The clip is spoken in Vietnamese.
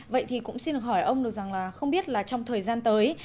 vậy thì cũng xin được hỏi ông được rằng là không biết là trong thời gian tới